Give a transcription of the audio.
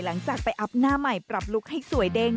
หลังจากไปอัพหน้าใหม่ปรับลุคให้สวยเด้ง